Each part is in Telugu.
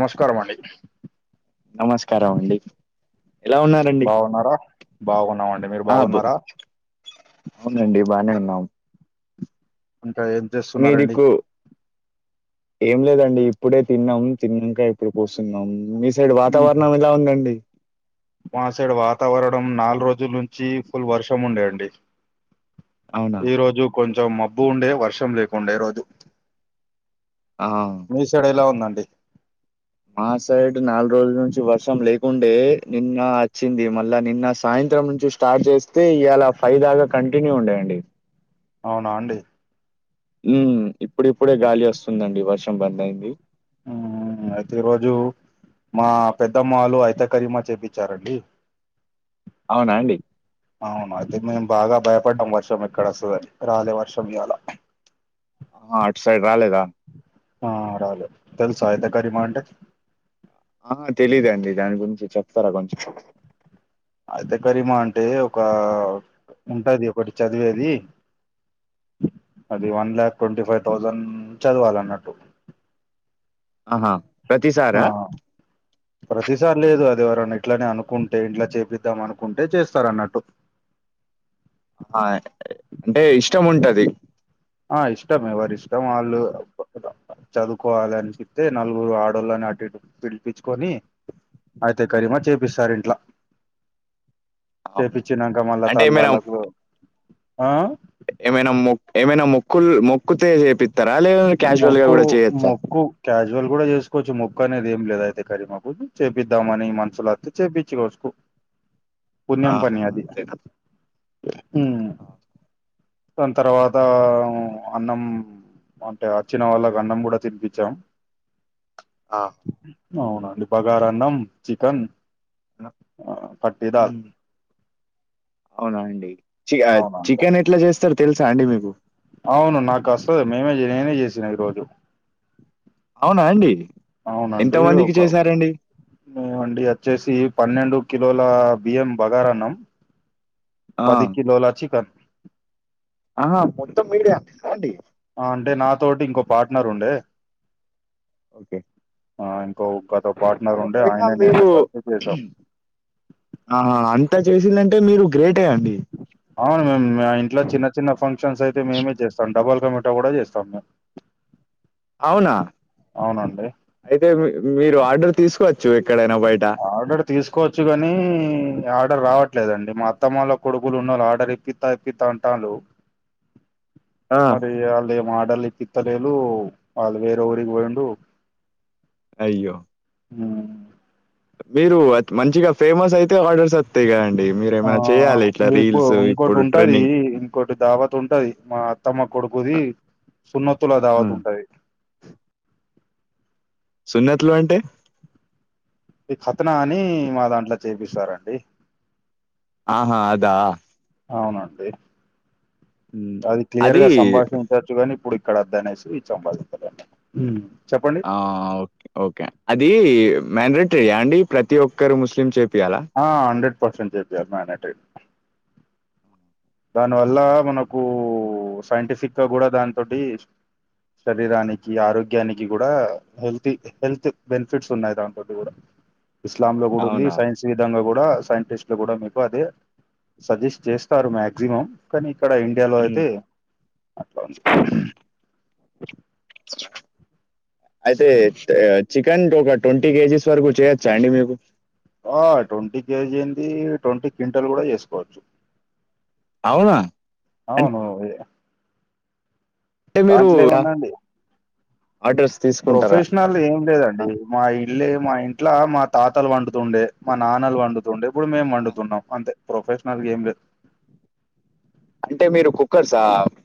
నమస్కారం అండి నమస్కారం అండి ఎలా ఉన్నారు బాగున్నారా బాగున్నామండి మీరు ఆ బు బాగున్నారా అవునండి బానే ఉన్నాం ఇంకా ఏం మీ చేస్తున్నారండి దిక్కు ఏం లేదండి ఇప్పుడే తిన్నాం తిన్నాక ఇప్పుడు కూర్చున్నాం మీ సైడ్ వాతావరణం ఎలా ఉందండి మా సైడు వాతావరణం నాలుగు రోజుల నుంచి ఫుల్ వర్షం ఉండే అండి అవునా ఈ రోజు కొంచెం మబ్బు ఉండే వర్షం లేకుండే ఈ రోజు ఆ మీ సైడ్ ఎలా ఉందండి మా సైడ్ నాలుగు రోజుల నుంచి వర్షం లేకుండే నిన్న వచ్చింది మళ్ళా నిన్న సాయంత్రం నుంచి స్ స్టార్ట్ చేస్తే ఇవాలా ఫై దాగా కంటిన్యూ ఉండేయండి అవునా అండి ఉ ఇప్పుడు ఇప్పుడే గాలి వస్తుందండి వర్షం బంద్ అయింది అయితే ఈ రోజు మా పెద్దమ్మ వాళ్లు అఐతే కలీమా చేపించారండి అవునా అండి అవును అయితే మేము బాగా భయపడ్డాం వర్షం ఎక్కడ వస్తుందొ అని రాలే వర్షం ఇయలా ఆ అట్ సైడ్ రాలేదా ఆ రాలే తెలుస అయితే కలీమ అంటే ఆ తెలీదాండి దాని గురించి చెప్తారా కొంచెం అయితే కలిమా అంటే ఒక ఉంటది ఒకటి చదివేది అది one lakh twenty five thousand చదవాలి అన్నట్టు ఆహా ఆ ప్రతిసారా ప్రతిసారి లేదు అది ఎవరన్నా ఇట్లనే అనుకుంటే ఇంట్లా చేపిద్దాం అనుకుంటే చేస్తారు అన్నట్టు ఆ అంటే ఇష్టం ఉంటది ఆ ఇష్టమే ఎవరి ఇష్టం వాళ్ళు చదువుకోవాలి అనిపిస్తే నలుగురు ఆడోళ్ళని అటు ఇటు పిలిపించుకొని అయితే కరీమా చేపిస్తారు ఇంట్లా అవునా! చేపచ్చినాక మల్ల అంటే ఏమైనా తల్లాళ్లకు ఆ ఏమైనా మొ ఏమైనా మొక్కులు మొక్కుతే చేపిస్తారా లేద క్యాషువల్ గా మొక్కు కూడ చేయోచ్చా మొక్కు క్యాజువల్ కూడా చేసుకోవచ్చు మొక్కు అనేది ఏం లేదు అయితే కరిమాకు చేయిద్దామని మనసులు వత్తే చేపించుకోవచ్చు [inaudible] పుణ్యం ఆహా! పని అది అంతేనా? ఉ దాని తర్వాత అన్నం అంటే వచ్చిన వాళ్ళకి అన్నం కూడా తినిపించాం ఆ అవునా అండి బగార అన్నం చికెన్ పట్టిదాలు హ్మ్. అవునా అండి చి అవునండి చికెన్ ఎట్లా చేస్తారో తెలుసా అండి మీకు అవును నాకు అస్తది మేమే నేనే చేసినా ఈ రోజు అవునా అండి ఎంత మందికి చేశారండి మేము అండి వచ్చేసి పన్నెండు కిలోల బియ్యం బగారా అన్నం ఆ! పది కిలోలా చికేన్ ఆహా మొత్తం మీరే వండినారా అండి అంటే నాతోటి ఇంకో పార్ట్నర్ ఉండే ఓకే ఆ ఇంకో గత పార్ట్నర్ ఉండే కాకపోయినా ఆయన మీరు నేనే కలిసి చేసాం ఆహా అంతా చేసిందంటే మీరు గ్రేటే అండి అవును మేము మా ఇంట్లో చిన్న చిన్న ఫంక్షన్స్ అయితే మేమే చేస్తాం డబల్ కమిటా కూడా చేస్తాం మేము అవునా అవునండి అయితే మీ మీరు ఆర్డర్ తీసుకోవచ్చు ఎక్కడైనా బయట ఆర్డర్ తీసుకోవచ్చు కాని ఆర్డర్ రావట్లేదండి మా అత్తమ్మ వాళ్ళ కొడుకులు ఉన్నారు ఆర్డర్ ఇప్పి త ఇప్పిత్త అంటాండు ఆ! మరి వాళ్లేమో ఆర్డర్ ఇప్పిత్త లేదు వాళ్ళు వేరే ఉరికి పోయిండ్రు అయ్యో ఉ మీరు మంచిగా ఫేమస్ అయితే ఆర్డర్స్ త్తయీ కదండి మీరు ఆ ఏమైన్న చేయ్యాలి ఇట్లా రీల్స్ ఇప్పుడు ట్రెండింగ్ కోటి దావత్ ఉంటది మా అత్తమ్మ కొడుకుది సున్నతుల దావత్ హ్మ్. ఉంటది సున్నతలు అంటే ఈ కతనా అని మా దాంట్లో చేపిస్తారు అండి ఆహా అదా అవునండి అది క్లియర్గా సంభాషించ చ్చు గాని ఇప్పుడు ఇక్కడ వద్దు అనేసి సంభాషించలే ఆ ఓకే ఓకే అది [unintelligible] ప్రతి ఒక్కరు ముస్లిం చెపియాలా ఆ హండ్రెడ్ పర్సెంట్ చెపియాలి మానేటై దానివల్ల మనకు సైంటిఫిక్ గా కూడా దాని తోటి శరీరానికి ఆరోగ్యానికి కూడా హెల్త్ హెల్త్ బెనిఫిట్స్ ఉన్నాయి దాంతోటి కూడా ఇస్లామ్ లో కూడా ఉంది అవునా? సైన్స్ సిధంగా కూడా సైంటిస్ట్లు కూడా మీకు అది సజెస్ట్ చేస్తారు మాక్సిమం కానీ ఇక్కడ ఇండియాలో హ్మ్. అయితే అట్లా ఉంది అయితే చికెన్ ఒక ట్వంటీ కేజీస్ వరకు చేయొచ్చా అండి మీకు ఆ ట్వంటీ కేజీ ఏంది ట్వంటీ క్వింటల్ కూడా చేసుకోవచ్చు అవునా అవును అంటే ఇగ దాంట్లో ఏముందండి అడ్రస్ తీస్ ప్రొఫెషనల్ ఏం లేదండి మా ఇళ్లే మా ఇంట్లో మా తాతలు వన్డుతుండె మా నాన్నలు వండు తుండే ఇప్పుడు మేము ఆ! వన్డుతున్నాం అంతే ప్రొఫెషనల్ గేమ్లెద్ అంటే మీరు కుక్కర్సా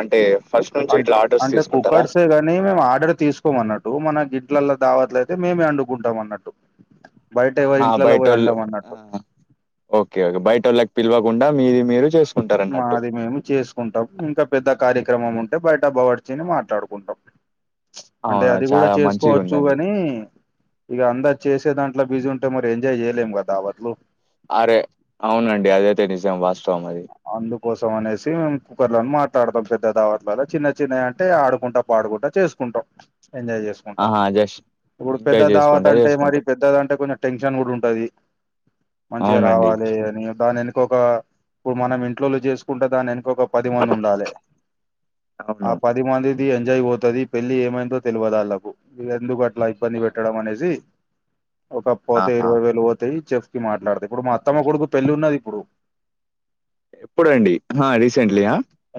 అంటే ఫస్ట్ నుంచి ఇట్లా ఆర్డర్స్ అంటే తీసుకుంటారా కుక్కర్సే మేము ఆర్డర్ తీస్కోమన్నట్టు మన గిట్లల దావత్లైతే మేమే అండుకుంటమ్ అన్నట్టు బయట ఎవరి ఆహా! ఇంట్లల పోయ్ బయటోళ్ళు వండమన్నట్టు ఆ! ఓకే బయటోళ్ళక్ పిలవకుండా మీది మీరు చేస్ మాది మేము చేసుకుంటాం ఇంకా పెద్ద కార్యక్రమం ఉంటే బయట బవర్చని మాట్లాడుకుంటమ్ అంటే అవునా! అది కూడా చాలా చేసుకోవచ్చు మంచిగుందండి. గాని ఇగ అందర్ చేసె దాంట్లో బిజీ ఉంటే మరి ఎంజాయ్ చేయలేం కదా వట్లు అరే అవునండి అదైతే నిజం వాస్తవం అది అందుకోసం అనేసి మేము కుక్కర్లన్ మాట్లాడ్తాం పెద్ద దావత్లల్ల చిన్న చిన్నవి అంటే ఆడుకుంటా పాడుకుంట చేసుకుంటాం ఎంజాయ్ చేస్ ఆహా! జస్ట్ ఇప్పుడు పెద్ద ఎంజాయ్ దావత చేసుకుంటా అంటే మరి చేసుకుంటారు. పెద్దదన్టే కొంచెం టెన్షన్ కూడా ఉంటది మంచిగా అవునండి. రావాలి అని దాని వెనక ఒక ఇప్పుడు మనం ఇంట్లోలో చేసుకుంట దాని ఎనక ఒక పది మంది ఉండాలి ఆ అవును. పది పది మందిది ఎంజాయ్ పోతది పెళ్లి ఏమైందో తెల్వద్ వాళ్లకు ఎందుక ఇలా ఇబ్బంది పెట్టడం అనేసి ఒక పోతే ఆహా! ఇరవై వేలు పోతాయి చెప్ మాట్లాడత ఇప్పుడు మా అత్తమ్మ కొడుకు పెళ్లి ఉన్నది ఇప్పుడు ఎప్పుడండి హా రీసెంట్లీయా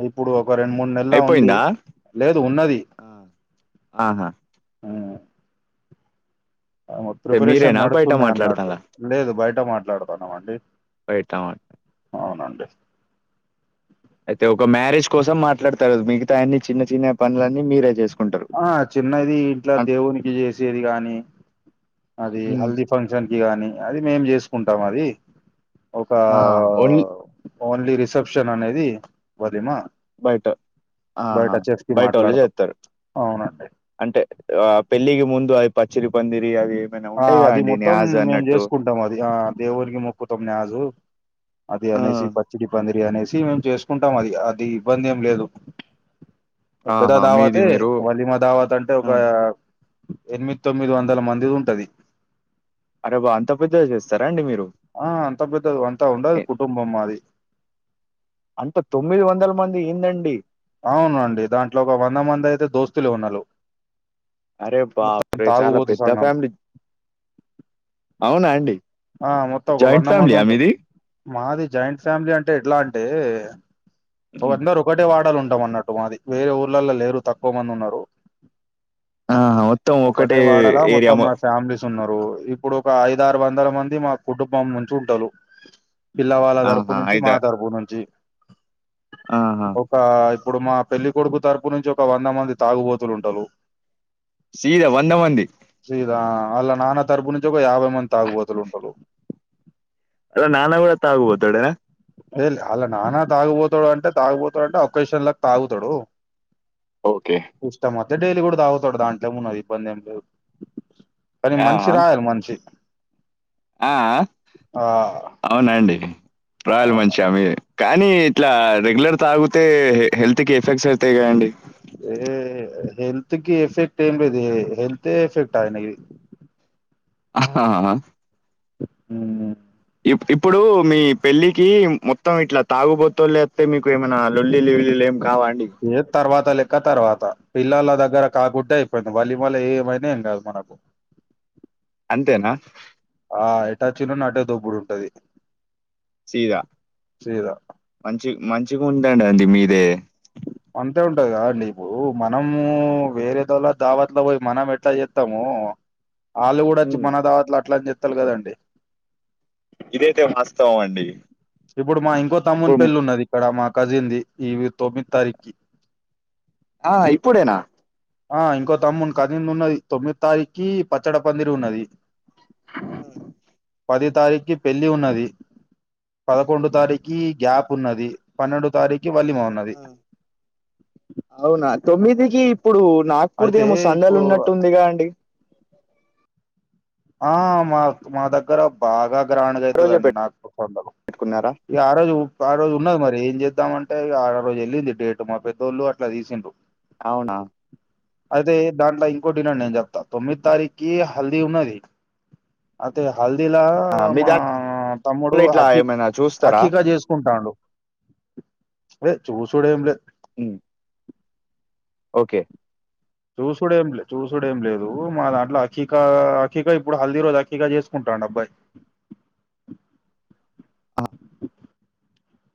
ఇప్పుడు ఒక రెండు మూడు నెలా ఉంది లేదు ఉన్నది ఆ! ఆహా అంటే ప్రిపరేషన్ మీరేనా బయట నడుతున్నాయ్ అన్నట్టు మాట్లాడతాన్లా? లేదు బయట మాట్లాడుతున్నామన్డి బయటాయ్ అవునండి అయితే ఒక మ్యారేజ్ కోసం మాట్లాడతారు మిగతా యన్ని చిన్న చిన్న పనులన్నీ మీరే చేస్ ఆ చిన్నది ఇంట్లా దేవునికి చేసేది కాని అది హ్మ్. హల్ది ఫంక్షన్ కి గానీ అది మేము చేసుకుంటాం అది ఒక ఆ! ఓన్లీ ఓన్లీ రిసెప్షన్ అనేది వదిమా బయట ఆహా బయటోళ్లు మాట్లాడతాం చేత్తరు అవునండి అంటే ఆ పెళ్ళికి ముందు అది పచ్చిరి పందిరి అది ఆ అది మొత్తం మేము చేసుకుంటాం అది ఆ దేవునికి మొక్కుతమ్ నాజు అది ఆ అనేసి పచ్చిడి పందిరి అనేసి మేము చేసుకుంటాం అది అది ఇబ్బంది ఏం లేదు పెద్ద ఆహా మీది దావతే మీరు వలిమా దావాత్ అంటే ఒక ఆ ఎనిమిద్ తొమ్మిద్ వందల మందిది ఉంటది అరే వ అంత పెద్దగా చేస్తారా అండి మీరు ఆ అంతా పెద్దద్ అంతా ఉండదు ఏ, కుటుంబం మాది అంత తొమ్మిది వందల మంది ఏందండి అవునండి దాంట్లో ఒక వంద మంది అయితే దోస్తులే ఉన్నరు అరే బాపు రే చాలా తాగుబోతు పెద్ద సంఘం ఫ్యామిలీ అవునాన్డి ఆ మొత్తం ఒక వంద మంది వుంటర్ మాది జాయింట్ ఫ్యామిలీ అంటే ఎట్లా అంటే ఉమ్. ఒకందరు ఒకటే వాడలు ఉంటాం అన్నట్టు మాది వేరే ఊర్లల్లో లేరు తక్కువ మంది ఉన్నారు ఆహా మొత్తం ఒకటే వాడాల ఏరియా మొత్తం మొ మా ఫ్యామిలీ తున్నారు ఇప్పుడు ఒక ఐదారు వందల మంది మా కుటుంబం నుంచి ఉంటలు పిల్లవాళ్ళ తరపు ఆహా నుంచి మా అయితే తరపు నుంచి ఆహా ఒక ఇప్పుడు మా పెళ్లి కొడుకు తరపు నుంచి ఒక వంద మంది తాగుబోతులు ఉంటారు సీద వంద మంది సీదా ఆళ్ళ నాన్న తరుపునుంచి ఒక యాభై మంది తాగుబోతులు ఉంటలు ఆళ్ళ నాన్న గూడా తాగుబోతోడేనా లేద్లే అళ్ల నాన్న తాగుబోతోడు అంటే తాగుబోతోడంటే ఆ ఒక్క విషయం ల తాగుతాడు ఓకే ఇష్టమొస్తే డైలీ కూడా తాగుతాడు దాంట్లే మున్నది ఇబ్బంది ఏం లేదు కానీ ఆ మన్షి రా ఆయన మన్షి ఆ ఆ అవునండి [unintelligible] అవును మంచిగా మీవే కానీ ఇట్లా రెగ్యులర్ తాగుతే హెల్త్ కి ఎఫెక్ట్స్ అవుతాయి కదండి. ఏ హెల్త్కి ఎఫెక్ట్ ఏం లేదు ఏ హెల్తే ఎఫెక్ట్ అయినాయి అ హా ఊ ఇపు ఇప్పుడు మీ పెళ్లికి మొత్తం ఇట్లా తాగుబోతోళ్లే వత్తే మీకు ఏమైనా లొల్లి లిల్లీలు ఏం కావండి ఏ తర్వాత లెక్క తర్వాత పిల్లల దగ్గర కాకుట్టే [unintelligible] మళ్ళీ మళ్ళ ఏమైనా ఏం కాదు మనకు. అంతేనా. ఆ ఎటచ్చినోడ్ని అటే దొబ్బుడు ఉంటది సీదా సీదా మంచి మంచిగుందండి అండి మీదే అంతే ఉంటాది కదా అండి ఇప్పుడు మనము వేరే తోళ్ల దావత్లో పోయి మనం ఎట్లా చేస్తాము [inaudible] ఆళ్ళు కూడా అచ్చి హ్మ్. మన దావాత్ల అట్లానే చేత్తాలు కదండి ఇదైతే వాస్తవం అండి. ఇప్పుడు మా ఇంకో తమ్ముని ఇప్పుడు పెళ్లి ఉన్నది ఇక్కడ మా కజిన్ ది ఈవి తొమ్మిది తారీక్కి ఆ ఇప్పుడేనా ఆ ఇంకో తమ్మున్ కజిన్ దున్నది తొమ్మిది తారీక్కి పచ్చడ పందిరి ఉన్నది పది తారీక్కి పెళ్లి ఉన్నది. పదకొండు తారీక్కి గ్యాప్ ఉన్నది పన్నెండు తారీక్కి వలిమ ఆ! ఉన్నది. అవునా తొమ్మిదికి ఇప్పుడు నాక్ అయితే ఇప్పుడుదేమో సందలు ఇప్పుడు ఉన్నట్టుంది గదండి ఆ మా మా దగ్గర బాగా గ్రాండ్గా ఆ రోజే అయితదండి నాకు కొందలు పెట్టుకున్నారా? ఇగ ఆ రోజు పారోజు ఉన్నది మరి ఏం చేద్దాం అంటే ఇగ ఆ రోజు ఎళ్ళింది డేట్ మా పెద్దోళ్ళు అట్లా తీసిన్ అవునా అయితే దాంట్ల ఇంకోట్ ఇనండి నేన్ జెప్తా తొమ్మిది తారీక్కి హల్దీ ఉన్నది అదే హల్దిలా ఆ! మీ మా తమ్ముడు దాంట్లో ఇట్లా హకిగ్ ఏమైనా చూస్తారా? హాకీగ చేసుకుంటాడు లేద్ చూసుడు ఏం లేద్ ఉ ఓకే చూసుడేం లేదు చూసుడేం లేదు మా దాంట్లో అకిీక అఖీక ఇప్పుడు హల్దీ రోజు అకిీక చేసుకుంటాండబ్బాయి ఆ!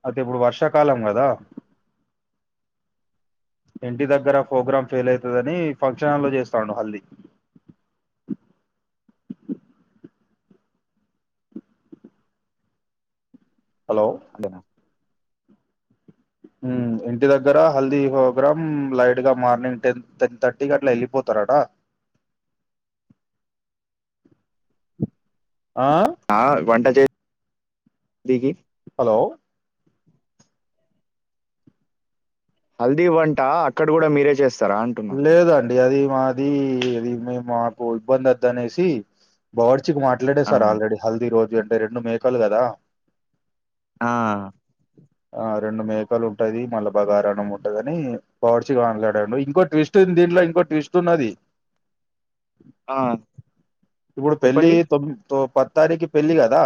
ఐతే ఇప్పుడు వర్షాకాలం గదా ఇంటి దగ్గర ఫొగ్రామ్ ఫెయిల్ అయతదని ఫంక్షన్ హాల్లో చేస్తాండు హళ్ది హలో అండేన ఉం ఇంటి దగ్గర హల్దీ హొగ్రమ్ లైట్ గా మార్నింగ్ టెన్ టెన్ థర్టీక్ అట్లా ఎళ్ళిపోతారట ఆ ఆ వంట చే నికి హలో హల్దీవ్ అంటా అక్కడ గూడా మీరే జేస్తారా లేదండి అది మాది ఇది మేం మాకు ఇబ్బందైతద్ అనేసి బావడ్చిక్ ఆ! మాట్లాడేసార్ ఆల్రెడీ హల్దీ రోజు అంటే రెండు మేకలు గదా ఆ ఆ రెండు మేకలుంటది మళ్ళ బగారన్నం ఉంటదని బావడ్చిగా అన్లడాడు ఇంకోటి ట్విస్ట్ ఉంద్ దీంట్లో ఇంకో ట్విస్ట్ ఉన్నది ఆ! ఇప్పుడు పెళ్లి చెప్పండి. తొం తో పత్తారికి పెళ్ళిగదా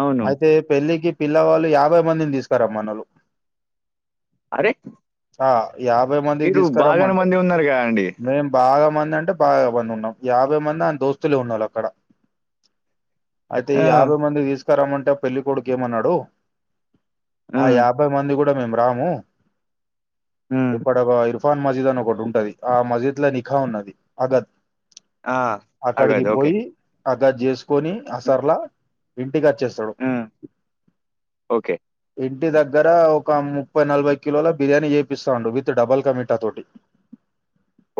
అవును. అయితే పెళ్ళికి పిల్లవాళ్ళు యాభై మందిన్ దీస్కరామ్మన్నోళ్ళు అరే ఆ యాభై మందిక్ మీరు దీస్ బాగానే మంది ఉన్నారుగా అండి మేం బాగా మందంటే బాగా మంది ఉన్నాం యాభై మంది ఆన్ దోస్తులే ఉన్నల్ అక్కడ అ... ఐతే యాభై మంది దీస్కరమ్మంటే పెళ్ళికొడుక్ ఏమన్నడు ఆ యాభై మంది గూడా మేం రాము ఆ! ఇక్కడ వ [unintelligible] తా మజీద్ అన్ ఒకటుంటది ఆ మజీద్ ల నిఖా ఉన్నది అగద్ ఆ! అక్కడికి అగదు. ఓకే. పోయి అదద్ జేస్కొని హ్మ్. అసర్లా ఇంటిక్ అచ్చేస్తాడు ఆ! ఓకే. ఇంటి దగ్గర ఒక ముప్పై నలభై కిలోల బిర్యానీ జేపిస్తాండు విత్ డబల్ కమి టతోటీ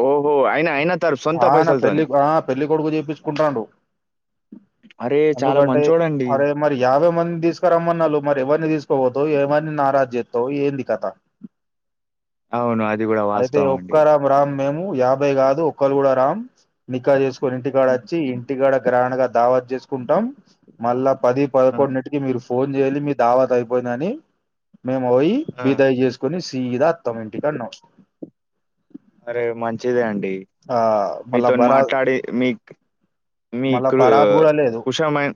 ఓహో! ఆయన ఆయన తరు సొంత ఆ నా పైసలతోనే. పెళ్ళిక్ ఆ పెళ్ళి కొడుకు జేపిచ్చుకుంటాండు అరే! చాలా ఎందుకంటే మంచోడండి. అరే మరి యాభై మందిస్కరమ్మన్నాళ్ళు మరి ఎవర్ని దీస్కోవోతవ్ ఎమన్ నారాజ్ జేత్తవు ఏంది కథ అవును అది గుడ ఐతే ఒక్కరాం రామ్ మేము యాభై గాదు ఒక్కళ్ గూడా రామ్ నిక్కా జేస్కొని ఇంటికాడ హ్మ్. వచ్చి ఇంటికాడ గ్రాండ్ గా దావత్ జేస్కుంటం మళ్ళా పది ఆ! పదకొండిన్నిటికి మీరు ఫోన్ జేయాలి మీ దావాత్ అయ్పోయిందని మేము వోయ్ ఆ! మిగ్తాయి జేస్కొని సీదా అత్తాం ఇంటికన్నోవ్ అరే మంచిదే అండి మళ్ళా మీతోన్ బరాత్ మాట్లాడి మీక్ మళ్ళా మీకు బరాత్ కూడా లేదు ఉషామైన్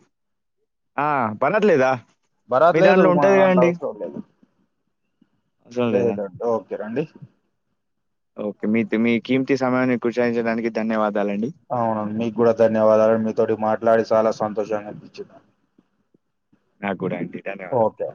ఆ పనట్లేదా భరాత్ మీ లేదు దాంట్లో ఉంటది మాక్ గదండీ. అవ్సరం లేదు అవసరం లేదా? లేదండి ఓకే రండి ఓకే మీతి మీకీమ్తి సమయాన్ని కుషాయించడానికి ధన్యవాదాలండి అవును మీగ్గూడా ధన్యవాదాలు మీతోటి మాట్లాడి సాలా సంతోషంగా అనిపించిందా నాగ్గూడా అండి ధన్యవాదాల్ ఓకే